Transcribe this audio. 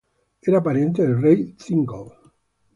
Era pariente del rey Thingol.